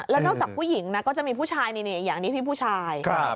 แล้วนอกจากผู้หญิงนะก็จะมีผู้ชายนี่อย่างนี้พี่ผู้ชาย